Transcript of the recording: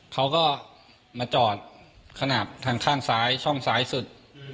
เขาก็มาจอดขนาดทางข้างซ้ายช่องซ้ายสุด